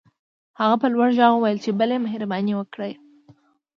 هغه په لوړ غږ وويل چې بلې مهرباني وکړئ.